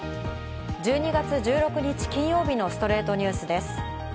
１２月１６日、金曜日の『ストレイトニュース』です。